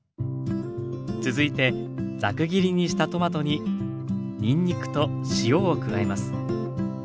続いてザク切りにしたトマトににんにくと塩を加えます。